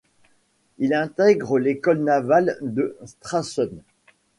Il intègre l'école navale de Stralsund.